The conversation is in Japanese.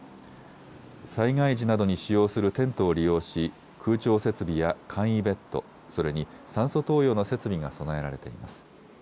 災害時などに使用するテントを利用し、空調設備や簡易ベッド、それに酸素投与の設備が備えられています。